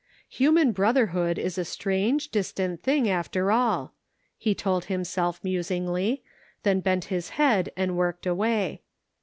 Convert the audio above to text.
" Human brotherhood is a strange, distant thing, after all," he told himself, musingly, then bent his head and worked away.